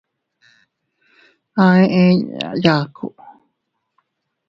A eʼe inña yaku.